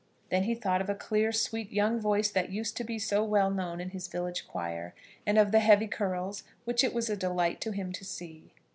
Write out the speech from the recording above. Then he thought of a clear, sweet, young voice that used to be so well known in his village choir, and of the heavy curls, which it was a delight to him to see.